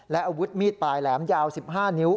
และอาวุธมีดปลายแหลมยาว๑๕นิ้ว